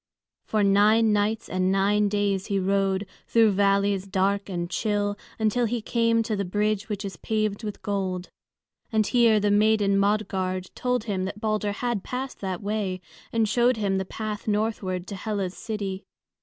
For nine nights and nine days he rode, through valleys dark and chill, until he came to the bridge which is paved with gold. And here the maiden Modgard told him that Balder had passed that way, and showed him the path northward to Hela's city.